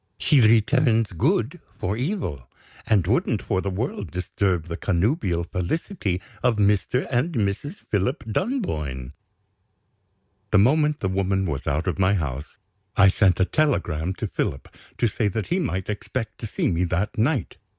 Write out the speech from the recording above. She returns good for evil, and wouldn't for the world disturb the connubial felicity of Mr. and Mrs. Philip Dunboyne." The moment the woman was out of my house, I sent a telegram to Philip to say that he might expect to see me that night.